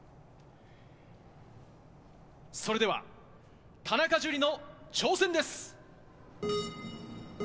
それでは田中樹の挑戦です。